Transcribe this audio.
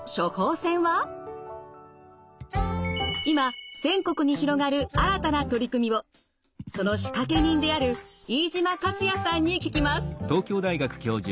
今全国に広がる新たな取り組みをその仕掛け人である飯島勝矢さんに聞きます。